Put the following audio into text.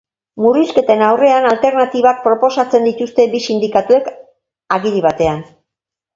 Murrizketen aurrean alternatibak proposatzen dituzte bi sindikatuek agiri batean.